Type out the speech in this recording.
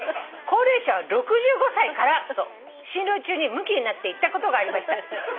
高齢者は６５歳からと診療中にむきになって言ったことがありました」